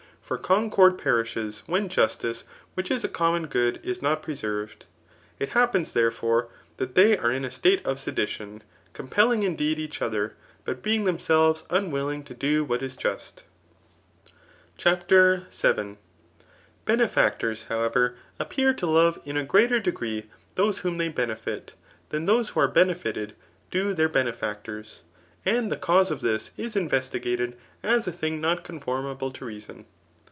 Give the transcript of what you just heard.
For concord perishes when justice, which is a common good, is not preserved. It happens, therefore, that they are in a state of sedidon, compelling indeed each other, but being themselves unwilling to do what is just. ' Digitized by Google 346 THE NIOOMAOHfiAN BOOK IX« CHAPTER Vn. Benefactors, however, appear to love in a greater degree those whom they benefit, than those who are benefited do their benefactors, and the cause of this is investigated as a thing not conformable to reason.